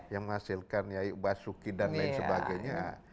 yang menghasilkan yai uba suki dan lain sebagainya